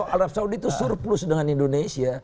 arab saudi itu surplus dengan indonesia